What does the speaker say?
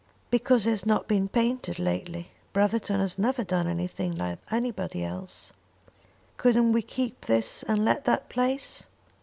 "Because it has not been painted lately. Brotherton has never done anything like anybody else." "Couldn't we keep this and let that place?"